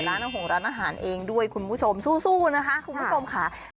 ของร้านอาหารเองด้วยคุณผู้ชมสู้นะคะคุณผู้ชมค่ะ